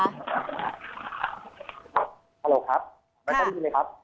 ฮัลโหลครับ